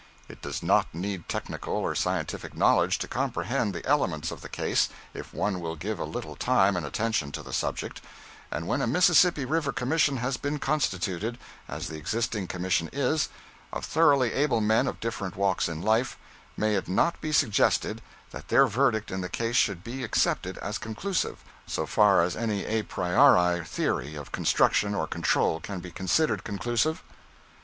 It does not need technical or scientific knowledge to comprehend the elements of the case if one will give a little time and attention to the subject, and when a Mississippi River commission has been constituted, as the existing commission is, of thoroughly able men of different walks in life, may it not be suggested that their verdict in the case should be accepted as conclusive, so far as any a priori theory of construction or control can be considered conclusive?